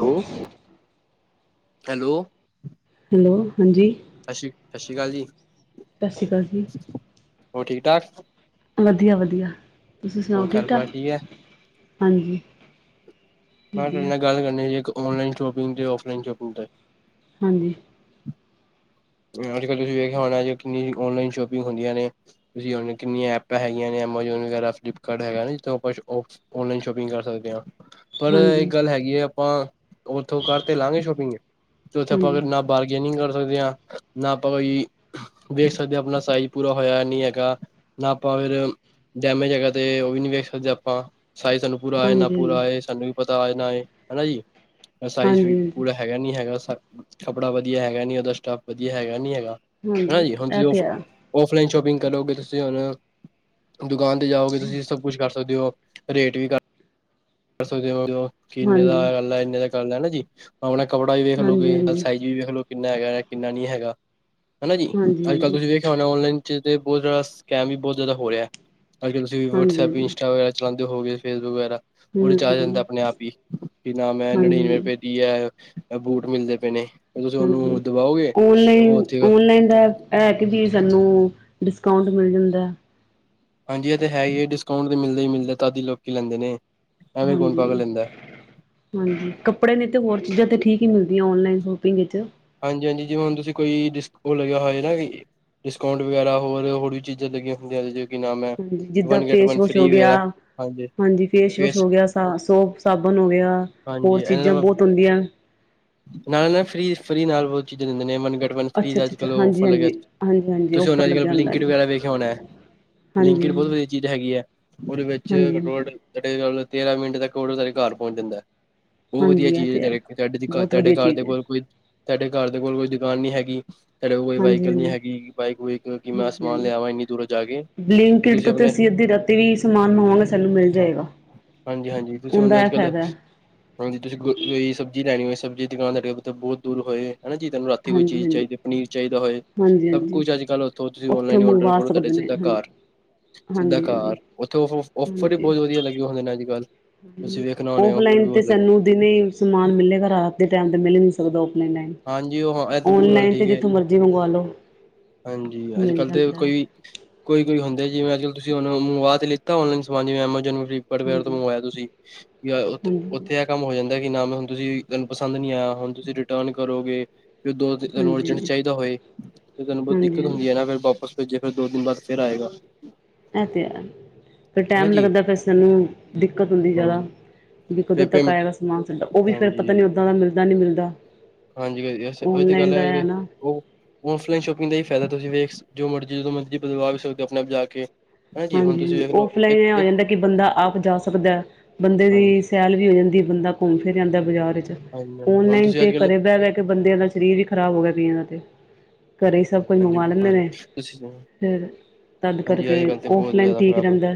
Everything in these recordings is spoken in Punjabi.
ਹੈਲੋ-ਹੈਲੋ। ਹੈਲੋ ਹਾਂਜੀ। ਸਸ਼ੀ, ਸਸ਼ੀ ਕਾਲ ਜੀ। ਸਸ਼ ਸ਼ੀ ਕਾਲ ਜੀ। ਹੋਰ ਠੀਕ ਠਾਕ? ਵਧੀਆ-ਵਧੀਆ, ਤੁਸੀਂ ਸੁਣਾਓ ਹੋਰ ਘਰ ਠੀਕ ਠਾਕ, ਬਾਰ ਹੈ ਹਾਂਜੀ। ਮੈਂ ਥੋਡੇ ਵਧੀਆ ਨਾਲ ਗੱਲ ਕਰਨੀ ਸੀ ਇਕ, ਔਨਲਾਈਨ ਸ਼ੋਪਿੰਗ ਤੇ ਔਫਲਾਈਨ ਸ਼ੋਪਿੰਗ ਤੇ। ਹਾਂਜੀ। ਅੱਜ ਕੱਲ ਤੁਸੀਂ ਵੇਖਿਆ ਹੋਣਾ, ਕਿੰਨੀ ਔਨਲਾਈਨ ਸ਼ੋਪਿੰਗ ਹੁੰਦੀਆਂ ਨੇ। ਤੁਸੀਂ ਹੁ ਕਿੰਨੀਆਂ ਐਪਾਂ ਹੈਗੀਆਂ ਨੇ, ਐਮਾਜੋਨ ਵਗੈਰਾ, ਫਲਿੱਪਕਾਰਟ ਹੈਗਾ ਜਿੱਥੋਂ ਆਪਾਂ ਔਨਲਾਈਨ ਸ਼ੋਪਿੰਗ ਕਰ ਸਕਦੇ ਹਾਂ। ਪਰ ਹਾਂਜੀ ਇਹ ਗੱਲ ਹੈਗੀ ਹੈ, ਆਪਾਂ ਉੱਥੋਂ ਘਰ ਤੇ ਲਾਾਂਗੇ ਸ਼ੋਪਿੰਗ ਤੇ ਉੱਥੇ ਆਪਾਂ ਅ ਹਾਂਜੀ ਨਾ ਬਾਰਗੇਨਿੰਗ ਕਰ ਸਕਦੇ ਹਾਂ, ਨਾ ਆਪਾਂ ਕੋਈ ਦੇੇਖ ਸਕਦੇ ਹ ਆਪਣਾ ਸਾਈਜ ਪੂਰਾ ਹੋਇਆ ਨਹੀਂ ਹੈਗਾ, ਨਾ ਆਪਾਂ ਫਿਰ ਡੈਮੇਜ ਹੈਗ੍ਹਾ ਤੇ ਉਹ ਵੀ ਨੀ ਵੇਖ ਸਕਦੇ ਆਪਾਂ, ਸਾਈਜ਼ ਸਾਨੂੰ ਪੂਰਾ ਆਏ ਨਾ ਹਾਂਜੀ ਪੂਰਾ ਹਾਂਜੀ ਆਏ, ਸਾਨੂੰ ਵੀ ਪਤਾ ਆਏ ਨਾ, ਇਹ ਹਨਾ ਜੀ ਸਾਈਜ਼ ਵੀ ਹਾਂਜੀ ਪੂਰਾ ਹੈਗਾ ਨੀ ਹੈਗਾ, ਕੱਪੜਾ ਵਧੀਆ ਹੈਗਾ ਨੀ, ਉਹਦਾ ਸਟਫ ਵਧੀਆ ਹੈਗਾ ਨੀ ਹੈਗਾ। ਹਨਾ ਹਾਂਜੀ ਜੀ, ਹੁਣ ਇਹ ਤੁਸੀਂ ਤੇ ਆ ੳਫਲਾਈਨ ਸ਼ੋਪਿੰਗ ਕਰੋਗੇ ਤੁਸੀਂ ਹੁਣ ਦੁਕਾਨ ਤੇ ਜਾਓਗੇ ਤੁਸੀਂ ਸਭ ਕੁਛ ਕਰ ਸਕਦੇ ਹੋ, ਰੇਟ ਵੀ ਕਰ ਕਰਦੇ ਕਿ ਇੰਨੇ ਦਾ ਹਾਂਜੀ ਹਾਂਜੀ ਕਰ ਲਾ, ਇਨੇ ਦਾ ਕਰਦੀ, ਹੈਨਾ ਜੀ, ਆਪਣਾ ਕੱਪੜਾ ਵੀ ਹਾਂਜੀ ਵੇਖਲੋਗੇ ਹਾਂਜੀ ਵੀ ਵੇਖ ਲੋ ਕਿੰਨਾ ਹੈਗਾ, ਕਿੰਨਾ ਨਹੀਂੀ ਹੈਗਾ, ਹਨਾ ਜੀ, ਅੱਜ ਕੱਲ੍ਹ ਹਾਂਜੀ ਤੁਸੀਂ ਵੇਖ ਔਨਲਾਈਨ 'ਚ ਬਹੁਤ ਜ਼ਿਆਦਾ ਸਕੈਮ ਵੀ ਬਹੁਤ ਜ਼ਿਆਦਾ ਹੋ ਰਿਹਾ, ਅੱਜ ਕਲ ਤੁਸੀਂ ਹਾਂਜੀ ਵਟਸਐਪ ਹਾਂਜੀ ਇੰਸਟਾਗ ਚਲਾਉਂਦੇ ਹੋ ਗਏ ਫੇਸਬੁੱਕ ਵਗੈਰਾ, ਉਹ ਹੂੰ ਵਿਚ ਆ ਹੂੰ ਜਾਂਦਾ ਹਾਂਜੀ ਆਪਣੇ ਆਪ ਹੀ, ਕਿ ਨਾ ਮੈਂ ਨੜਿਨਵੇਂ ਹਾਂਜੀ ਭੇਜ ਹੈ ਬੂਟ ਮਿਲਦੇ ਪਏ ਨੇ। ਤੁਸੀਂ ਹਾਂਜੀ, ਉਹਨੂੰ ਦਬਾਓਗੇ ਉਹ ਓਨਲਾਈਨ ਉੱਥੇ ਔਨਲਾਈਨ ਦਾ ਇਹ ਕਿ ਵੀ ਸਾਨੂੰ ਡਿਸਕਾਊਂਟ ਮਿਲ ਜਾਂਦਾ। ਹਾਂਜੀ ਇਹ ਤੇ ਹੈ ਹੀ ਹੈ ਡਿਸਕਾਊਂਟ ਮਿਲਦਾ ਹੀ ਮਿਲਦਾ, ਤਾਂਦੀ ਲੋਕੀ ਲੈਂਦੇ ਨੇ। ਐਵੇਂ ਕੌਣ ਪਾਗਲ ਹਾਂਜੀ। ਲੈਂਦਾ ਹਾਂਜੀ, ਕੱਪੜੇ ਨੀ ਤਾਂ ਹੋਰ ਚੀਜ਼ਾਂ ਤਾਂ ਠੀਕ ਹੀ ਮਿਲਦੀਆਂ, ਔਨਲਾਈਨ ਸ਼ੋਪਿੰਗ ਵਿੱਚ ਹਾਂਜੀ ਹਾਂਜੀ, ਜਿਵੇਂ ਹੁਣ ਤੁਸੀਂ ਕੋਈ ਡਿਸਕ ਉਹ ਲਗਿਆ ਹੋਇਆ ਨਾ ਡਿਸਕਾਊਂਟ ਵਗੈਰਾ, ਹੋਰ ਹੋਰ ਵੀ ਚੀਜ਼ਾਂ ਲੱਗੀਆਂ ਹੁੰਦੀਆਂ ਜੇ ਹਾਂਜੀ, ਜਿੱਦਾਂ ਫੇਸ ਵਾਸ਼ ਹੋ ਗਿਆ, ਹਾਂਜੀ ਫੇਸ ਵੋਸ਼ ਹੋ ਗਿਆ, ਸਾ ਸੋਪ ਸਾਬਣ ਹੋ ਗਿਆ, ਹੋਰ ਹਾਂਜੀ ਚੀਜ਼ਾਂ ਇਹਨਾਂ ਬਹੁਤ ਹੁੰਦੀਆਂ। ਨਾਲ ਨਾਲ ਫ੍ਰੀ -ਫ੍ਰਰੀ ਨਾਲ ਬਹੁਤ ਚੀਜ਼ਾਂ ਦਿੰਦੇ ਨੇ, ਮਨੱ' ਮਨਥਲੀ ਅੱਛਾ ਦਾ ਅੱਛਾ ਅੱਛਾ ਅੱਜਕਲ ਹਾਂਜੀ ਹਾਂਜੀ ਹਾਂਜੀ ਹਾਂਜੀ ਔਫਰ ਆਫਰ, ਲੱਗਿਆ ਹੁੰਦਾ ਬਿਲਿੰਕਿਟ ਜੀ ਵਗੈਰਾ ਵੇਖਿਆ ਹੋਣਾ ਹੈ ਹਾਂਜੀ ਬਲਿੰਕਿਟ ਬਹੁਤ ਵਧੀਆ ਚੀਜ਼ ਹੈਗੀ ਐ ਉਹਦੇ ਵਿੱਚ ਹਾਂਜੀ ਹਾਂਜੀ ਘੱਟੋ ਘੱਟ ਸਾਡੇ ਤੇਰਾਂ ਮਿੰਟ ਤੱਕ ਉਹ ਸਾਡੇ ਘਰ ਪਹੁੰਚ ਜਾਂਦਾ। ਉਹ ਵਧੀਆ ਹਾਂਜੀ ਇਹ ਚੀਜ਼ ਐ ਤੇ ਹੈ ਬਹੁਤ ਤੁਹਾਡੇ-ਤੁਹਾਡੇ-ਤੁਹਾਡੇ ਵਧੀਆ ਘਰ ਦੇ ਚੀਜ਼ ਹੈ ਕੋਲ ਕੋਈ ਸਾਡੇ ਘਰ ਦੇ ਕੋਲ ਕੋਈ ਦੁਕਾਨ ਨਹੀਂ ਹੈਗੀ। ਤੁਹਾਡੇ ਕੋਲ ਕੋਈ ਹਾਂਜੀ ਬਾਈਕਲ ਨੀ ਹਾਂਜੀ ਹੈਗੀ ਬਾਈਕ-ਬੁਈਕ ਕਿ ਮੈਂ ਹਾਂਜੀ ਸਮਾਨ ਹਾਂਜੀ ਲਿਆਵਾਂ ਇੰਨੀ ਦੂਰ ਜਾ ਕੇ ਫੇਰ ਤੁਸੀਂ ਆਪਣੇ ਤੇ ਵੀ ਸਮਾਨ ਮੰਗਵਾਗੇ ਸਾਨੂੰ ਮਿਲ ਜਾਏਗਾ। ਹਾਂਜੀ-ਹਾਂਜੀ ਤੁਸੀਂ ਉਹਦਾ ਹੁਣ ਇਹ ਅੱਜ-ਕੱਲ੍ਹ ਫਾਇਦਾ ਹੈ। ਹਾਂਜੀ ਤੁਸੀਂ ਗਈ ਸਬਜ਼ੀ ਲੈਣੀ ਹੋਵੇ ਸਬਜ਼ੀ ਦੀ ਦੁਕਾਨ ਤੁਹਾਡੇ ਬਹੁਤ ਦੂਰ ਹੋਏ। ਹਨਾ ਜੀ ਤੁਹਾਨੂੰ ਰਾਤੀ ਕੋਈ ਹਾਂਜੀ ਚੀਜ਼ ਹਾਂਜੀ ਚਾਹੀਦੀ ਪਨੀਰ ਚਾਹੀਦਾ ਹੋਏ, ਹਾਂਜੀ ਸਭ ਹਾਂਜੀ ਕੁਛ ਅੱਜ ਕੱਲ ਉੱਥੋਂ ਤੁਸੀਂ ਉੱਥੋਂ ਔਲਾਈਨ ਔਡਰ ਮੰਗਵਾ ਕਰੋ ਤੁਹਾਡੇ ਸਕਦੇ ਨੇ ਸਿੱਧਾ ਹਾਂਜੀ ਘਰ ਸਿੱਧਾ ਹਾਂਜੀ ਹਾਂਜੀ ਘਰ ਉੱਥੇ ਓਫਰ ਵੀ ਹਾਂਜੀ ਬਹੁਤ ਵਧੀਆ ਲੱਗੇ ਹੁੰਦੇ ਨੇ ਅੱਜ-ਕੱਲ੍ਹ ਔਫਲਾਈਨ ਤੇ ਸਾਨੂੰ ਦਿਨੇ ਹੀ ਸਮਾਨ ਮਿਲੇਗਾ ਰਾਤ ਦੇ ਟਾਈਮ ਤੇ ਮਿਲ ਹੀ ਨੀ ਸਕਦਾ ਔਫਲਾਈਨ ਟਾਈਮ ਹਾਂਜੀ ਉਹ ਹਾਂ ਇਹ ਤਾਂ ਬਿਲਕੁਲ ਗੱਲ ਔਨਲਾਈਨ ਤੇ ਠੀਕ ਐ, ਜਿੱਥੋਂ ਮਰਜ਼ੀ ਮੰਗਵਾ ਲਓ ਹਾਂਜੀ ਅੱਜ ਮਿਲ ਕੱਲ੍ਹ ਤਾਂ ਜਾਂਦਾ ਹੈ। ਕੋਈ ਕੋਈ-ਕੋਈ ਹੁੰਦਾ ਜਿਵੇਂ ਅੱਜ ਕੱਲ੍ਹ ਤੁਸੀਂ ਉਹਨੂੰ ਮੰਗਵਾ ਤੇ ਲਿੱਤਾ ਔਨਲਾਈਨ ਸਮਾਨ ਜਿਵੇਂ ਐਮਾਜੋਨ ਜੀ [unintelligible] ਤੋਂ ਹਾਂਜੀ ਮੰਗਵਾਇਆ ਤੁਸੀਂ ਹਾਂਜੀ ਹਾਂਜੀ ਉੱਥੇ ਕੰਮ ਹੋ ਜਾਂਦਾ ਕਿ ਨਾ ਹੁਣ ਤੁਸੀਂ ਤਾਨੂੰ ਪਸੰਦ ਨੀ ਆਇਆ ਹੁਣ ਤੁਸੀਂ ਰਿਟਰਨ ਕਰੋਗੇ। ਫੇਰ ਦੋ ਤਾਨੂੰ ਅਰਜੈਂਟ ਹਾਂਜੀ ਚਾਹੀਦਾ ਹੋਏ ਫੇਰ ਤੈਨੂੰ ਬਹੁਤ ਹਾਂਜੀ ਦਿੱਕਤ ਹਾਂਜੀ ਹੁੰਦੀ ਐ ਨਾ ਫਿਰ ਵਾਪਸ ਜੇ ਫਿਰ ਦੋ ਦਿਨ ਬਾਅਦ ਫੇਰ ਆਏਗਾ। ਇਹ ਤੇ ਹੈ ਫੇਰ ਹਨਾ ਟੈਮ ਜੀ ਲੱਗਦਾ ਫਿਰ ਸਾਨੂੰ ਦਿੱਕਤ ਹੁੰਦੀ ਹਾਂਜੀ ਜ਼ਿਆਦਾ ਵੀ ਕਦੋਂ ਫਿਰ ਤੱਕ ਪੇਮੈਂਟ ਆਏਗਾ ਸਮਾਨ ਸਾਡਾ ਉਹ ਵੀ ਫੇਰ ਪਤਾ ਨੀ ਹਾਂਜੀ ਓਦਾਂ ਦਾ ਮਿਲਦਾ ਨੀ ਮਿਲਦਾ। ਹਾਂਜੀ ਉਹੀ ਤੇ ਗੱਲ ਔਨਲਾਈਨ ਦਾ ਐ ਹੈ ਨਾ ਉਹ ਔਫਲਾਈਨ ਸ਼ੋਪਿੰਗ ਦਾ ਹੀ ਫਾਇਦਾ ਤੁਸੀਂ ਵੇਖ ਜੋ ਮਰਜ਼ੀ ਜਦੋਂ ਮਰਜ਼ੀ ਬਦਵਾ ਵੀ ਸਕਦੇ ਹੋ ਆਪਣੇ ਆਪ ਜਾ ਕੇ ਹਾਂਜੀ ਹੁਣ ਤੁਸੀਂ ਹਾਂਜੀ-ਹਾਂਜੀ ਵੇਖ ਲਓ ਇੱਕ ਔਫਲਾਈਨ ਇਹ ਆ ਇੱਕ ਜਾਂਦਾ ਕਿ ਬੰਦਾ ਆਪ ਜਾ ਸਕਦਾ ਬੰਦੇ ਹਾਂਜੀ ਦੀ ਸੈਲ ਵੀ ਹੋ ਜਾਂਦੀ ਬੰਦਾ ਘੁੰਮ ਫਿਰ ਆਦਾ ਬਜ਼ਾਰ 'ਚ ਹਾਂਜੀ ਹਾਂਜੀ ਹੁਣ ਔਨਲਾਈਨ ਤੁਸੀਂ ਤੇ ਅੱਜ ਕੱਲ ਘਰੇ ਬਹਿ-ਬਹਿ ਕੇ ਬੰਦਿਆਂ ਦਾ ਸਰੀਰ ਵੀ ਖ਼ਰਾਬ ਹੋ ਗਿਆ ਕਈਆ ਦਾ ਤੇ, ਘਰੇ ਸਭ ਕੋਈ ਹਾਂਜੀ ਮੰਗਵਾ ਲੈਂਦੇ ਹਾਂਜੀ ਨੇ, ਤੁਸੀਂ ਫਿਰ ਤਦ ਹਾਂਜੀ ਅੱਜ ਕਰਕੇ ਕੱਲ੍ਹ ਤਾਂ ਬਹੁਤ ਔਫਲਾਈਨ ਜ਼ਿਆਦਾ ਠੀਕ ਖ਼ਰਾਬ ਹੈ ਰਹਿੰਦਾ,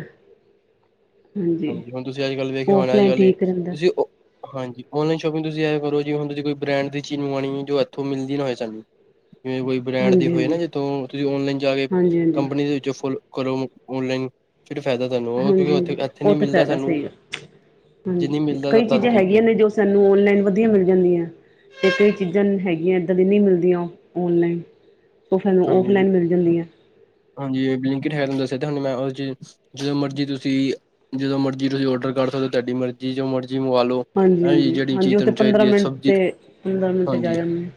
ਹਾਂਜੀ ਹੁਣ ਤੁਸੀਂ ਅੱਜ ਕੱਲ੍ਹ ਵੇਖਿਆ ਹੋਣਾ ਅੱਜ ਔਫਲਾਈਨ ਕੱਲ੍ਹ ਠੀਕ ਰਹਿੰਦਾ। [unintelligible] ਹਾਂਜੀ ਔਨਲਾਈਨ ਸ਼ੋਪਿੰਗ ਤੁਸੀਂ ਇਹ ਕਰੋ ਜੀ ਹੁਨ ਤੁਸੀ ਕੋਈ ਬ੍ਰੈਂਡ ਦੀ ਚੀਜ਼ ਮੰਗਵਾਣੀ ਐ, ਜੋ ਇੱਥੋਂ ਮਿਲਦੀ ਨਾ ਹੋਏ ਸਾਨੂੰ ਜਿਵੇਂ ਕੋਈ ਬ੍ਰੈੰਡ ਦੇ ਹਾਂਜੀ ਹੋਏ ਨਾ ਹਾਂਜੀ ਜਿੱਥੋਂ ਤੁਸੀਂ ਔਨਲਾਈਨ ਜਾ ਕੇ ਹਾਂਜੀ ਹਾਂਜੀ ਕੰਪਨੀ ਦੇ ਵਿੱਚ ਫੁਲ ਕਰੋ ਔਨਲਾਈਨ ਫਿਰ ਫਾਇਦਾ ਤੁਹਾਨੂੰ, ਉਹ ਕਿਉਂਕਿ ਹਾਂਜੀ ਹਾਂਜੀ ਉੱਥੇ ਇੱਥੇ ਉਹ ਨਹੀਂ ਤਾਂ ਮਿਲਦਾ ਫਾਇਦਾ ਸਾਨੂੰ ਸਹੀ ਆ ਜੇ ਨਹੀਂ ਹਾਂਜੀ ਮਿਲਦਾ ਤਾਂ ਕਈ ਤਦ ਚੀਜ਼ਾਂ ਠੀਕ ਐ। ਹੈਗੀਆਂ ਨੇ ਜੋ ਸਾਨੂੰ ਔਨਲਾਈਨ ਵਧੀਆ ਮਿਲ ਜਾਂਦੀਆਂ। ਕਿਸੇ ਵੀ ਚੀਜ਼ਾਂ ਹੈਗੀਆਂ ਏਦਾਂ ਦੀ ਨਹੀਂ ਮਿਲਦੀਆਂ ਔਨਲਾਈਨ ਉਹ ਸਾਨੂੰ ਹਾਂਜੀ ਔਫਲਾਈਨ ਮਿਲ ਜਾਂਦੀ ਏ ਹਾਂਜੀ ਬਿੰਲਕਿਟ ਹੈ ਨਾ ਦੱਸਿਆ ਤੇ ਹ ਮੈਂ ਚ ਜਦੋਂ ਮਰਜ਼ੀ ਤੁਸੀਂ, ਜਦੋਂ ਮਰਜ਼ੀ ਤੁਸੀਂ ਔਡਰ ਕਰ ਸਕਦੇ ਔ ਤੁਹਾਡੀ ਮਰਜ਼ੀ ਜੋ ਮਰਜ਼ੀ ਮੰਵਾ ਲਓ। ਹਾਂਜੀ ਜਿਹੜੀ ਹਾਂਜੀ-ਹਾਂਜੀ-ਹਾਂਜੀ ਚੀਜ਼ ਉਹ ਤੇ ਤੁਹਾਨੂੰ ਪੰਦਰਾਂ ਚਾਹੀਦੀ ਹੈ ਮਿੰਟ ਸਬਜ਼ੀ ਤੇ ਪੰਦਰਾਂ ਮਿੰਟ ਚ ਆ ਹਾਂਜੀ ਜਾਂਦੀ ਏ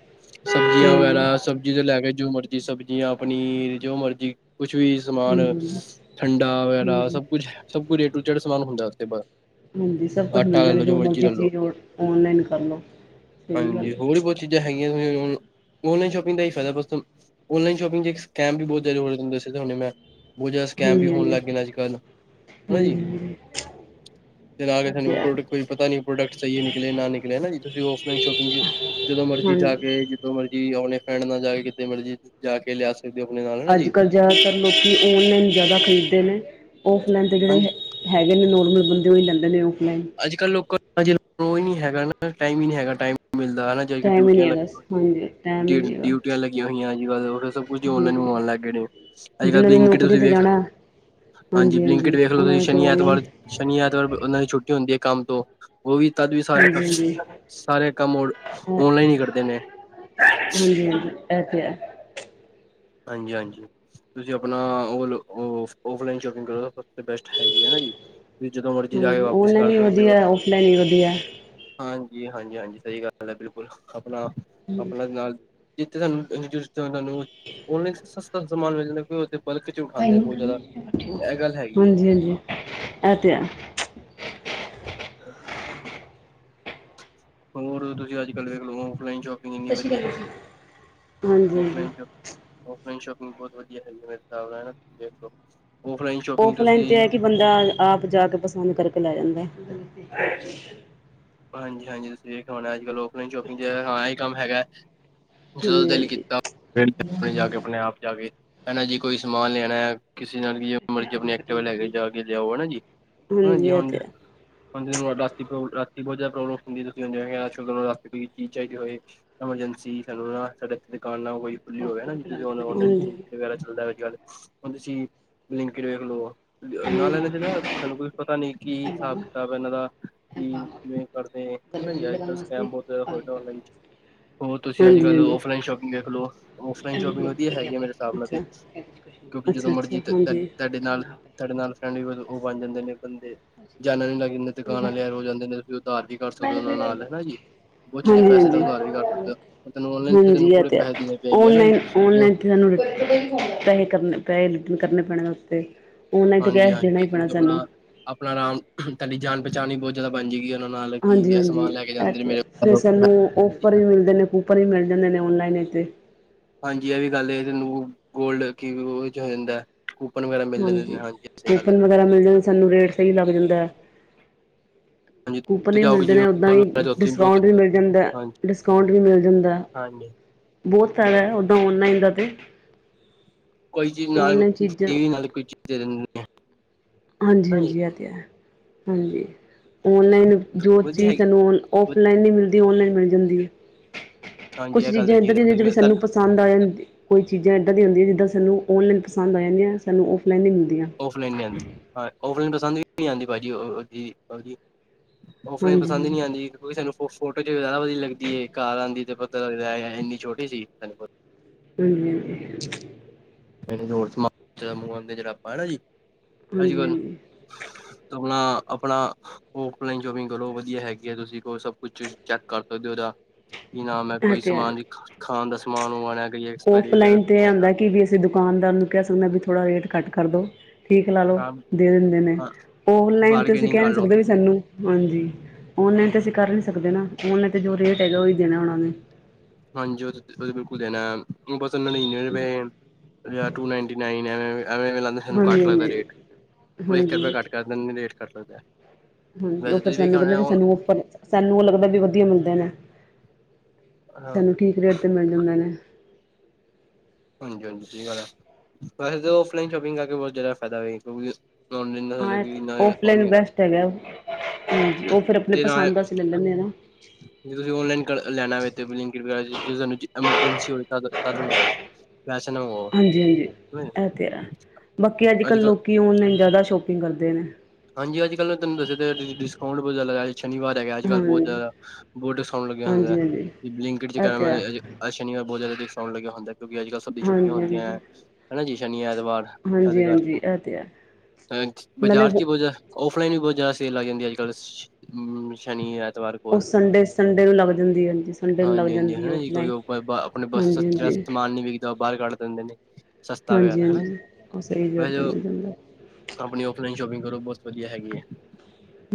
ਸਬਜ਼ੀਆਂ ਵਾਲਾ ਸਬ ਜਿਹਦੇ ਲੈ ਕੇ ਜੋ ਮਰਜੀ ਸਬਜ਼ੀਆਂ ਪਨੀਰ ਜੋ ਮਰਜੀ ਕੁਛ ਵੀ ਸਮਾਨ ਹਾਂਜੀ ਠੰਡਾ ਵਗੈਰਾ ਹਾਂਜੀ ਸਭ ਕੁਛ ਐ ਸਭ ਕੁਝ ਏ ਟੂ ਜੈਡ ਸਮਾਨ ਹੁੰਦਾ ਉੱਥੇ ਹਾਜੀ ਸਭ ਕੁਛ ਆਟਾ ਮਿਲ ਲੈ ਜਾਂਦਾ, ਲੋ ਜੋ ਲੈ ਮਰਜ਼ੀ ਲੋ ਚੀਜ਼ ਔਨਲਾਈਨ ਕਰ ਲਓ, ਸਹੀ ਗੱਲ ਹਾਂਜੀ ਐ। ਹੋਰ ਵੀ ਬਹੁਤ ਚੀਜ਼ਾਂ ਹੈਗੀਆ ਵੀ ਉਨਾ ਨੂੰ, ਔਨਲਾਈਨ ਸ਼ੋਪਿੰਗ ਦਾ ਹੀ ਫਾਇਦਾ ਬਸ ਤਾਨੂੰ- ਔਨਲਾਈਨ ਸ਼ੋਪਿੰਗ ਇੱਕ ਸਕੈਮ ਵੀ ਬਹੁਤ ਜ਼ਿਆਦੇ ਹੋ ਜਾਦੇ ਸੀਗੇ ਤੇ ਮੈਂ ਬਹੁਤ ਜਿਆਦਾ ਸਕੈਮ ਵੀ ਹਾਂਜੀ ਹੋਨ ਹਾਂਜੀ ਲੱਗ ਗਏ ਨੇ ਅੱਜ- ਕੱਲ, ਹੈਨਾ ਜੀ ਹਾਂਜੀ ਹਾਂਜੀ ਤੇ ਆ ਇਹ ਤੁਹਾਨੂੰ ਹੈ ਪ੍ਰੋਡਕਟ ਕੋਈ ਪਤਾ ਨੀ ਪ੍ਰੋਡਕਟ ਸਹੀ ਨਿਕਲੇ ਆ ਨਾ ਨਿਕਲੇ, ਹੈਨਾ ਜੀ ਤੁਸੀਂ ਔਫਲਾਈਨ ਸ਼ੋਪਿੰਗ ਜਦੋਂ ਮਰਜ਼ੀ ਜਾ ਹਾਂਜੀ ਕੇ ਜਦੋ ਮਰਜੀ ਅਪਨੇ ਫਰੈਂਡ ਨਾਲ ਜਾ ਕੇ ਕਿਤੇ ਮਰਜ਼ੀ, ਜਾ ਕੇ ਲਿਆ ਸਕਦੇ ਹੋ ਆਪਣੇ ਨਾਲ ਹੈਨਾ ਅੱਜ ਜੀ ਕੱਲ੍ਹ ਜ਼ਿਆਦਾਤਰ ਲੋਕੀ ਔਨਲਾਈਨ ਜ਼ਿਆਦਾ ਖਰੀਦਦੇ ਨੇ, ਔਫਲਾਈਨ ਦੇ ਜਿਹੜੇ ਹੈ ਹਾਂਜੀ ਹੈਗੇ ਨੇ ਨੋਰਮਲ ਬੰਦੇ, ੳਹੀ ਲੈਂਦੇ ਨੇ ਔਫਲਾੲਨ ਅੱਜ -ਕੱਲ੍ਹ ਲੋਕਾਂ ਦਾ ਨੀ ਹੈਗਾ ਟਾਈਮ ਹੀ ਨੀ ਹੈਗਾ ਟਾਈਮ ਮਿਲਦਾ ਹੇਨਾ ਟਾਈਮ ਹੀ ਡਿਊਟੀਆਂ ਨਹੀਂ ਹੈਗਾ ਲੱਗੀਆਂ ਹੋਆਂ, ਹਾਂਜੀ ਟਾਈਮ ਹੀ ਨਹੀਂ ਹੈਗਾ। ਡਿਊਟੀਆਂ ਲੱਗੀਆਂ ਹੋਈਆਂ ਅੱਜ- ਕੱਲ ਸਭ ਕੁਝ ਹਾਂਜੀ ਉਨਲਾਈਨ ਮੰਗਵਾਉਣ ਲੱਗ ਗਏ ਨੇ, ਅੱਜ- ਕਲ ਜਿਹਨਾਂ ਨੇ ਬਿਲੰਕਿਟ ਨੌਕਰੀ ਤੁਸੀਂ ਤੇ ਵੇਖ ਜਾਣਾ ਹਾਂਜੀ ਬਲਿੰਕਿਟ ਵੇਖ ਲੋ ਉਹਨਾਂ ਤੁਸੀਂ ਨੇ ਤੇ ਸ਼ਨੀ ਔਨਲਾਈਨ ਐਤਵਾਰ, ਸ਼ਨੀ ਐਤਵਾਰ ਉਹਨਾਂ ਦੀ ਛੁੱਟੀ ਹੁੰਦੀ ਹੈ ਕੰਮ ਤੋਂ ਉਹ ਵੀ ਤਦ ਵੀ ਸਾਰੇ, ਹਾਂਜੀ ਹਾਂਜੀ ਸਾਰੇ ਕੰਮ ਹੁਨ, ਅ ਔਨਲਾਈਨ ਹੀ ਕਰਦੇ ਨੇ ਹਾਂਜੀ -ਹਾਂਜੀ, ਇਹ ਤੇ ਹੈ ਹਾਂਜੀ- ਹਾਂਜੀ ਤੁਸੀਂ ਆਪਣਾ, ਓ ੳਫਲਾਈਨ ਸ਼ੋਪਿੰਗ ਕਰੋ ਸਭ ਤੋਂ ਬੈਸਟ ਹੈਗੀ ਹੈਨਾ ਜੀ ਤੁਸੀਂ ਜਦੋਂ ਮਰਜ਼ੀ ਜਾਯੋ ਹਾਂਜੀ ਆਪਾ ਔਨਲਾਈਨ ਵੀ ਵਧੀਆ, ਔਫਲਾਈਨ ਹੀ ਵਧੀਆ ਹਾਂਜੀ- ਹਾਂਜੀ- ਹਾਂਜੀ ਸਹੀ ਗੱਲ ਹੈ, ਬਿਲਕੁਲ, ਅਪਨਾ, ਹਾਂਜੀ ਅਪਨਾ ਨਾਲ ਜਿੱਥੇ [unintelligible] ਲਾਈਨ ਸਸਤਾ ਸਮਾਨ ਮਿਲ ਜਾਂ ਹਾਂਜੀ ਗੱਲ ਹੈਗੀ -ਹਾਂਜੀ ਇਹ ਤੇ ਹੈ ਹ [inaudible] ਹੋਰ, ਤੁਸੀਂ ਅੱਜ- ਕੱਲ ਵੇਖ ਲੋ, ਔਫਲਾਈਨ ਸ਼ੋਪ ਹਾਂਜੀ ਔਫਲਾਈਨ ਹਾਂ ਸ਼ੋਪ ਔਫਲਾਈਨ ਸ਼ੋਪਿੰਗ ਬਹੁਤ ਵਧੀਆ ਹੈਗੀ ਮੇਰੇ ਹਿਸਾਬ ਨਾਲ ਨਾ, ਤੁਸੀਂ ਵੇਖ ਲੋ ੳਫਲਾਈਨ ਤੇ ਹੈ ਕਿ ਬੰਦਾ, ਆਪ ਜਾ ਕੇ ਪਸੰਦ ਕਰਕੇ ਲੈ ਜਾਂਦਾ ਹਾਂਜੀ- ਹਾਂਜੀ ਤੁਸੀਂ ਵੇਖਿਆ ਹੋਨਾ, ਅੱਜ- ਕੱਲ੍ਹ ਓਫਲਾਈਨ ਸ਼ੋਪਿੰਗ ਹਾਂ ਇਹ ਕੰਮ ਹੈਗਾ ਹੈ ਜਦੋਂ ਦਿਲ ਹਾਂਜੀ ਕੀਤਾ, ਫਿਰ ਆਪ ਜਾ ਕੇ ਆਪਣੇ ਆਪ ਜਾ ਕੇ ਏਨਾ ਜੀ, ਕੋਈ ਸਮਾਨ ਲੈਨਾ ਏ ਕਿਸੇ ਨਾਲ ਵੀ ਜ ਮਰਜ਼ੀ ਆਪਨੀ ਐਕਟਿਵਾ ਲੈ ਕੇ ਜਾ ਕੇ ਲਿਆਓ ਹੇਨਾ ਜੀ ਹਾਂਜੀ ਇਹ ਤੇ ਹੈ ਪੰਜ ਦਿਨ, ਰਾਤੀ [unintelligible] ਬੋਤ ਜ਼ਾਦਾ ਪ੍ਰੋਬਲਮ ਹੁੰਦੀ, [unintelligible] ਕੋਈ ਚੀਜ਼ ਚਾਈਦੀ ਹੋਏ, ਐਮਰਜੈਂਸੀ ਸਾਨੂੰ ਨਾ ਸਾਡੇ ਦੁਕਾਨਾਂ ਕੋਈ ਖੁੱਲੀ ਹੋਵੇ ਨਾ, ਜਿਦਾਂ ਨਾ ਹਾਂਜੀ ਔਨਲਾਈਨ ਹਾਂਜੀ ਵਗੈਰਾ ਚੱਲਦਾ, ਅੱਜ-ਕਲ੍ਹ ਹੁਣ ਤੁਸੀਂ, ਬਿਲਿਕਿਟ ਵੇਖ ਲੋ। ਨਾਲ, ਏਨਾਂ 'ਚ ਨਾ, ਸਾਨੂੰ ਕੁਛ ਪਤਾ ਨੀ ਕੀ ਹਿਸਾਬ ਕਿਤਾਬ ਐ ਏਨਾਂ ਦਾ, ਕੀ ਜਿਵੇਂ ਕਰਦੇ, ਹਨਾ ਜੀ। ਅੱਜ-ਕੱਲ ਸਕੈਮ ਬੋਤ ਜਾਦਾ। ਹੋਰ ਤੁਸੀਂ, ਅੱਜ-ਕੱਲ੍ਹ ਹਾਂਜੀ ਔਫਲਾਈਨ ਸ਼ੋਪਿੰਗ ਵੇਖ ਲੋ। ਔਫਲਾਈਨ ਸ਼ੋਪਿੰਗ ਵਧੀਆ ਹੈਗੀ ਆ। ਮੇਰੇ ਸਾੱਬ ਨਾਲ, ਅੱਛਾ ਤੇ ਕਿਉਂਕਿ ਜਦੋਂ ਅੱਛਾ ਅੱਛਾ ਮਰਜ਼ੀ ਤ ਤ ਹਾਂਜੀ ਤਾੱਡੇ ਨਾਲ ਤਾਡੇ ਨਾਲ ਫਰੈਂਡ ਵੀ ਔ ਬਣ ਜਾਂਦੇ ਨੇ ਬੰਦੇ, ਜਾਨਣ ਨੀ ਲੱਗ ਜਾਂਦੇ, ਦੁਕਾਨ ਆਲੇ ਐ ਰੋਜ ਜਾਂਦੇ ਨੇ, ਤੁਸੀਂ ਉਧਾਰ ਦੀ ਕਰ ਸਕਦੇ ਔਨਾਂ ਨਾਲ, ਹਨਾ ਜੀ। ਕੁਛ ਚੀਜ਼ਾਂ ਹਾਂਜੀ ਪੈਸੇ ਦਾ ਹਾਂਜੀ ਉਧਾਰ ਵੀ ਕਰ ਸਕਦੇ ਹਾਂਜੀ ਔ, ਤੈਨੂੰ ਔਨਲਾਈਨ, ਹਾਂਜੀ ਤੈਨੂੰ ਪੂਰੇ ਪੈੇਹੇ ਦੇਣੇ ਪੈਣਗੇ। ਹਨਾ ਜੀ। [unintelligible] [unintelligible] [unintelligible] ਪੈਹੇ ਕਰਨੇ ਪੈਣੇ, ਉੱਤੇ। ਔਨਲਾਈਨ ਤੇ ਹਾਂਜੀ ਕੈਸ਼ ਦੇਣਾ ਈ ਹਾਂਜੀ ਪੈਣਾ, ਤੁਸੀਂ ਸਾਨੂੰ। ਆਪਣਾ ਆਪਣਾ ਰਾਮ, ਤਾੱਡੀ ਜਾਣ-ਪਹਿਚਾਣ ਵੀ ਬਹੁ ਜਗਾ ਬਣ ਜੇਗੀ ਉੱਨਾਂ ਨਾਲ ਕੀ, ਹਾਂਜੀ ਹਾਂਜੀ ਸਮਾਨ ਲੈ ਕੇ ਜਾਂਦੇ ਨੇ, ਮੇਰੇ ਕੋਲੋ। ਕੂਪਰ ਵੀ ਮਿਲਦੇ ਨੇ, ਕੂਪਰ ਵੀ ਮਿਲ ਜਾਂਦੇ ਨੇ, ਔਨਲਾਈਨ 'ਚ ਤੇ। ਹਾਂਜੀ, ਐ ਵੀ ਗੱਲ ਏ, ਤੈਨੂੰ ਗੋਲਡ ਕੀ ਔ, ਹੋ ਜਾਂਦਾ। ਕੂਪਨ ਵਗੈਰਾ ਮਿਲ ਜਾਂਦੇ ਨੇ, ਹਾਂਜੀ ਸਈ ਗੱਲ ਐ। ਕੂਪਨ ਵਗੈਰਾ ਮਿਲ ਜਾਂਦੇ, ਸਾਨੂੰ ਰੇਟ ਸਈ ਲੱਗ ਜਾਂਦਾ ਐ। ਹਾਂਜੀ ਕੂਪਨ ਵੀ ਜਾਓਗੇ ਮਿਲਦੇ ਨੇ, ਓਦਾਂ ਈ ਜਿਵੇਂ ਹਾਂਜੀ ਡਿਸਕਾਊਂਟ ਵੀ ਮਿਲ ਜਾਂਦਾ ਐ, ਡਿਸਕਾਊਟ ਵੀ ਮਿਲ ਜਾਂਦਾ ਐ। ਹਾਂਜੀ। ਬੋਤ ਫੈਦਾ ਐ, ਔਦਾਂ ਔਨਲਾਈਨ ਦਾ ਤੇ। ਕੋਈ ਚੀਜ਼ ਨਾਲ, ਔਨਲਾਈਨ ਚੀਜ਼ਾਂ ਟੀਵੀ ਨਾਲ, ਕੋਈ ਚੀਜ਼ ਦੇ ਦੇਂਦੇ ਨੇ। ਹਾਂਜੀ-ਹਾਂਜੀ, ਐ, ਤੇ ਹੈ ਹਾਂਜੀ, ਔਨਲਾਈਨ ਜੋ ਵਧੀਆ ਚੀਜ਼ ਸਾਨੂੰ ਔਨ ਹੈਗੀ ਔਫਲਾਈਨ ਨੀ ਮਿਲਦੀ, ਔਨਲਾਈਨ ਮਿਲ ਜਾਂਦੀ ਏ, ਹਾਂਜੀ ਕੁੱਛ ਇਹ ਗੱਲ ਤਾਂ ਚੀਜ਼ਾਂ ਏਦਾਂ ਠੀਕ ਦੀਆਂ ਜੜੀ ਹੈ ਸਾਨੂੰ ਪਸੰਦ ਆ ਜਾਂਦੀ। ਕੋਈ ਚੀਜ਼ਾ ਏਦਾਂ ਦੀ ਹੁੰਦੀਆਂ, ਜਿੱਦਾਂ ਸਾਨੂੰ ਔਨਲਾਈਨ ਪਸੰਦ ਆ ਜਾਂਦੀਆਂ, ਸਾਨੂੰ ਔਫਲਾਈਨ ਨੀ ਮਿਲਦੀਆਂ। ਔਫਲਾਈਨ ਨਈ ਆਂਦੀ। ਹਾਂ ਔਫਲਾਈਨ ਪਸੰਦ ਵੀ ਨੀ, ਆਂਦੀ ਭਾਜੀ ਔ ਔਦੀ। ਔਫਲਾਈਨ ਹਾਂਜੀ ਪਸੰਦ ਈ ਨੀ, ਆਂਦੀ। ਕਿਉਂਕਿ ਸਾਨੂੰ ਫੋ ਫੋਟੋ ਚ ਜ਼ਾਦਾ ਵਧੀ ਲੱਗਦੀ ਏ। ਘਾਰ ਆਂਦੀ ਤੇ ਪਤਾ ਲੱਗਦਾ ਐ, ਆਏ-ਹਾਏ ਇੰਨੀ ਛੋਟੀ ਸੀ। ਸਾਨੂੰ ਪਤਾ। ਹਾਂਜੀ-ਹਾਂਜੀ। [inaudible] ਹਾਂਜੀ ਹਾਂਜੀ ਅਪਣਾ-ਅਪਣਾ। ਔਫਲਾਈਨ ਸ਼ੋਪਿੰਗ ਕਰੋ ਵਧੀਆ ਹੈਗੀ ਐ। ਤੁਸੀਂ ਕੋ ਸਭ ਕੁਛ ਚੈੱਕ ਕਰ ਸਕਦੇ ਹੋ, ਉੱਦਾ। ਕੀ ਨਾਮ ਐ, ਇਹ ਕੋਈ ਤੇ ਹੈ ਸਮਾਨ ਖ ਖਾਣ ਦਾ ਸਮਾਨ ਮਗੰਵਾਨਾ ਐ। ਔਫਲਾਈਨ ਤੇ ਐ ਹੁੰਦਾ ਕਿ ਵੀ ਅਸੀਂ ਦੁਕਾਨਦਾਰ ਨੂੰ ਕੈ ਸਕਦੇ ਨਾ, ਵੀ ਥੋੜਾ ਰੇਟ ਕੱਟ ਕਰਦੋ। ਠੀਕ ਲਾ ਲੋ, ਹਾਂ ਦੇ ਦਿੰਦੇ ਨੇ, ਔਨਲਾਈਨ, ਤੇ ਤੁਸੀਂ ਬਾਰਗੇਨਿੰਗ ਕੈ ਕਰ ਨੀ ਲਓ ਸਕਦੇ ਵੀ ਸਾਨੂੰ। ਹਾਂਜੀ, ਔਨਲਾਈਨ, ਤੇ ਅਸੀਂ ਕਰ ਨੀ ਸਕਦੇ ਨਾ। ਔਨਲਾਈਨ ਤੇ ਜੋ ਰੇਟ ਹੈਗਾ, ਔਹੀ ਦੇਣਾ ਔੱਨਾਂ ਨੇ। ਹਾਂਜੀ, ਔ ਔ, ਤੇ ਬਿਲਕੁਲ ਦੇਣਾ ਹੁਣ ਬਸ [unintelligible] ਯਾ ਟੂ-ਨਾਈੰਟੀ-ਨਾਈਨ ਘਵੇ-ਐਵੇ ਲਾਂਦੇ। ਸਾਨੂੰ ਹਾਂਜੀ ਕੱਟ ਲੱਗਦਾ, ਰੇਟ ਹਾਂਜੀ ਔ ਇੱਕ ਰੁਪਇਆ ਹਾਂਜੀ ਕੱਟ ਜਦਨ ਵੀ ਰੇਟ ਕਟੱ ਸਕਦਾ ਐ। ਹਾਂਜੀ, ਔ ਫੇਰ ਸਾਨੂੰ ਕੈਂਦੇ ਵੀ ਸਾਨੂੰ ਔਫਰ ਏ। ਸਾਨੂੰ ਔ ਲੱਗਦਾ ਵੀ ਵਧੀਆ ਮਿਲਦੇ ਨੇ। ਹਾਂ, ਸਾਨੂੰ ਠੀਕ ਰੇਟ ਤੇ ਮਿਲ ਜਾਂਦੇ ਨੇ। ਹਾਂਜੀ-ਹਾਂਜੀ, ਸਈ ਗਲ ਐ। ਵੈਸੇ ਤਾਂ ਔਫਲਾਈਨ ਸ਼ੋਪਿੰਗ ਕਰਕੇ ਬੋਤ ਜਾ਼ਦਾ ਫੈਦਾ ਵੇ, ਕਿਉਂਕਿ ਔਨਲਾਈਨ ਦਾ ਹਾਂ, ਸਾਨੂੰ ਐ ਕਿ ਤੇ ਇੰਨਾ ਉਹ ਔਫਲਾਈਨ ਨੀ ਬੈਸਟ ਹੈਗਾ। ਹਾਂ, ਔ ਫੇਰ ਅਪਣੇ ਜੇ ਨਾ ਪਸੰਦ ਦਾ ਅਸੀਂ ਲਲ ਲੈਂਨੇ ਅ ਨਾ। ਜੇ ਤੁਸੀਂ ਔਨਲਾਈਨ ਲੈਣਾ ਵੇ, ਤੇ ਬਿਲਿਂਕੀਟ ਵਗੈਰਾ ਜੇ ਤੁਆਨੂੰ ਐਮਰਜੈਂਸੀ ਹੋਵੇ, ਤਦ ਮਗੰਵਾਓ। ਹਾਂਜੀ-ਹਾਂਜੀ, ਐ, ਤੇ ਹੈ। ਬਾਕੀ ਅੱਜ ਅੱਜ-ਕੱਲ੍ਹ ਕੱਲ ਲੋਕੀ ਕਿ, ਔਨਲਾਈਨ ਜ਼ਾਦਾ ਸ਼ੋਪਿੰਗ ਕਰਦੇ ਨੇ। ਹਾਂਜੀ, ਅੱਜ-ਕੱਲ੍ਹ ਤੁਹਾਨੂੰ ਦੱਸਯਾ ਤੇ ਹੈ। ਡਿਸਕਾਊਂਟ ਬੋਤ ਜ਼ਾਦਾ ਲਗਾਯਾ ਸ਼ਨੀਵਾਰ ਹੈਗਾ। ਅੱਜ-ਕੱਲ੍ਹ ਬੋਤ ਹਾਂਜੀ ਜ਼ਾਦਾ ਬੋਤ ਡਿਸਕਾੳਨਟ ਲੱਗਿਆ ਹੁੰਦਾ ਹੈ। ਹਾਂਜੀ ਹਾਂਜੀ ਅਤੇ ਬਲਿੰਕਟ ਇਹ ਤੇ ਹੈ [unintelligible] ਅਜ ਸ਼ਨੀਵਾਰ ਬੋਤ ਜ਼ਾਦਾ ਡਿਸਕਾੳਨਟ ਲੱਗੇਆ ਹੁੰਦਾ ਏ, ਕਿਉਂਕਿ ਅੱਜ-ਕੱਲ੍ਹ ਸਭ ਦੀ ਛੁੱਟੀਆਂ ਹਾਂਜੀ ਹੁੰਦੀਆਂ ਐ, ਹਾਂਜੀ ਹੈਨਾ ਜੀ ਸ਼ਨੀ-ਐਤਵਾਰ। ਹਾਂਜੀ ਸਾਡੇ ਘਰ ਚ ਹਾਂਜੀ ਇਹ ਤੇ ਹੈ ਨਾਲੇ ਬਾਜ਼ਾਰ ਚ ਬਹੁਤ ਔਫਲਾਈਨ ਵੀ ਬਹੁਤ ਜ਼ਿਆਦਾ ਸੇਲ ਲਾਈ ਹੁੰਦੀ ਅੱਜ ਕੱਲ ਸ਼ਨੀ ਐਤਵਾਰ ਉਹ ਸੰਡੇ ਸੰਡੇ ਨੂੰ ਲੱਗ ਜਾਂਦੀ ਹੈ, ਹਾਂਜੀ ਸੰਡੇ ਨੂੰ ਲੱਗ ਹਾਂਜੀ ਹਾਂਜੀ ਜਾਂਦੀ ਹੈ ਹੈਨਾ ਜੀ ਕੋਈ ਔਫਲਾਈਨ ਆਪਣੇ ਹਾਂਜੀ ਹਾਂਜੀ ਸਮਾਨ ਨੀ ਵਿਕ ਯਾ ਬਾਹਰ ਕੱਢ ਦਿੰਦੇ ਨੇ ਸਸਤਾ ਹਾਂਜੀ ਵਗੈਰਾ ਹਾਂਜੀ ਉਹ ਸਹੀ ਹੈਨਾ ਰੇਟ 'ਤੇ ਜੋ ਮਿਲ ਜਾਂਦਾ ਆਪਣੀ ਔਫਲਾਈਨ ਸ਼ੋਪਿੰਗ ਕਰੋ ਬਹੁਤ ਵਧੀਆ ਹੈਗੀ ਹੈ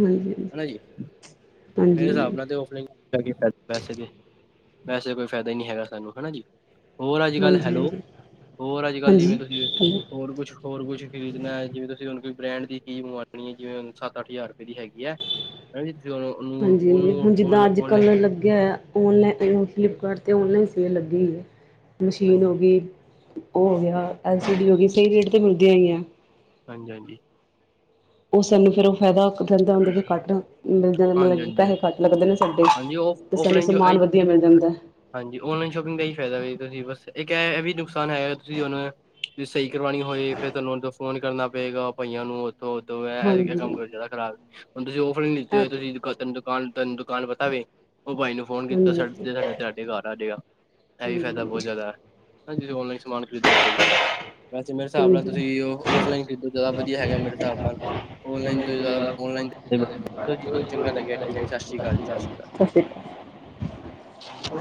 ਹਾਂਜੀ ਜੀ ਮੇਰੇ ਹਾਂਜੀ ਹਿਸਾਬ ਹਾਂਜੀ ਨਾਲ ਤੇ ਔਫਲਾਈਨ ਵੈਸੇ ਤੇ, ਵੈਸੇ ਕੋਈ ਫਾਇਦਾ ਹੀ ਨੀ ਹੈਗਾ ਸਾਨੂੰ ਹੈਨਾ ਜੀ ਹੋਰ ਅੱਜ ਕੱਲ੍ਹ ਹਾਂਜੀ ਹੈਲੋ, ਹਾਂਜੀ ਹੋਰ ਅੱਜ ਕੱਲ੍ਹ ਹਾਂਜੀ ਜਿਵੇਂ ਤੁਸੀਂ ਹੈਲੋ ਹੋਰ ਕੁਛ ਹੋਰ ਕੁਛ ਖਰੀਦਣਾ, ਜਿਵੇਂ ਤੁਸੀਂ ਹੁਣ ਕੋਈ ਬ੍ਰੈਂਡ ਦੀ ਕੀ ਮੰਗਵਾਣੀ ਹੈ ਜਿਵੇਂ ਸੱਤ ਅੱਠ ਹਜ਼ਾਰ ਰੁਪਏ ਦੀ ਹੈਗੀ ਚੀਜ਼ ਹੈ, ਹੰਜੀ ਤੁਸੀ ਔ ਨੂੰ ਹਾਂਜੀ ਹਾਂਜੀ ਹੁਣ ਜਿੱਦਾਂ ਅੱਜ ਕੱਲ੍ਹ ਲੱਗਿਆ ਹੋਯਾ ਔਨਲਾਈਨ ਫਲਿੱਪਕਾਰਟ 'ਤੇ ਔਨਲਾਈਨ ਸੇਲ ਲੱਗੀ ਹੈ, ਮਸ਼ੀਨ ਹੋ ਹਾਂਜੀ ਗਈ ਉਹ ਹੋ ਗਿਆ, ਐਲ ਸੀ ਡੀ ਹੋ ਗਈ, ਸਹੀ ਰੇਟ ਤੇ ਮਿਲਦੀਆਂ ਹੈਗੀਆ। ਹਾਂਜੀ, ਹਾਂਜੀ। ਉਹ ਸਾਨੂੰ ਫੇਰ ਉਹ ਫਾਇਦਾ ਹੁੰਦਾ, ਕੱਟ ਮਿਲ ਹਾਂਜੀ ਮਤਲਬ ਹਾਂਜੀ ਪੈਸੇ ਕੱਟ ਲੱਗਦੇ ਨੇ ਸਾਡੇ ਹਾਂਜੀ ਔਫ ਤੇ ਸਾਨੂੰ ਔਫਲਾਈਨ ਜੋ ਸਮਾਨ ਅੱਜ ਵਧੀਆ ਮਿਲ ਜਾਂਦਾ। ਹਾਂਜੀ ਔਨਲਾਈਨ ਸ਼ੋਪਿੰਗ ਦਾ ਹੀ ਫਾਇਦਾ ਵੀ ਜ ਤੁਸੀਂ ਬਸ, ਇੱਕ ਇਹ ਵੀ ਨੁਕਸਾਨ ਹੈਗਾ ਤੁਸੀਂ ਉਹਨੂੰ ਤੁਸੀਂ ਸਹੀ ਕਰਵਾਉਣੀ ਹੋਏ, ਫੇਰ ਤੁਹਾਨੂੰ ਫੋਨ ਕਰਨਾ ਪਏਗਾ ਪਾਈਆਂ ਨੂੰ ਹਾਂਜੀ ਕੰਮ ਇਹ ਕਰਦਾ ਖਰਾਬ, ਹੁਣ ਤੁਸੀਂ ਔਫ ਲਾਈਨ ਲਿੱਤੀ ਹੋਏ ਤਾਂ ਤੁਸੀਂ ਤੈਨੂੰ ਦੁਕਾਨ ਤੈਨੂੰ ਦੁਕਾਨ ਪਤਾ ਵੇ, ਉਹ ਬਾਈ ਨੂੰ ਫੋਨ ਕੀਤਾ ਹਾਂਜੀ ਹਾਂਜੀ ਸਾਡੇ ਘਰ ਆ ਜਾਏਗਾ, ਇਹ ਵੀ ਫ਼ਾਇਦਾ ਬਹੁਤ ਹਾਂਜੀ ਜ਼ਿਆਦਾ, ਤੁਸੀਂ ਔਨਲਾਈਨ ਸਮਾਨ ਖਰੀਦੋ ਕੋਈ ਵੈਸੇ ਮੇਰੇ ਹਿਸਾਬ ਨਾਲ ਹਾਂਜੀ ਤੁਸੀਂ ਔਫਲਾਈਨ ਖਰੀਦੋ, ਜ਼ਿਆਦਾ ਵਧੀਆ ਹੈਗਾ ਮੇਰੇ ਹਿਸਾਬ ਨਾਲ, ਆਨਲਾਈਨ ਤੁਸੀਂ ਜਿਆਦਾ ਸਤਿ ਸ਼੍ਰੀ ਠੀਕ ਅਕਾਲ, ਹੈ ਸ਼੍ਰੀ ਸਤਿ ਅਕਾਲ ਜੀ ਅਕਾਲ ਸ਼੍ਰੀ ਅਕਾਲ।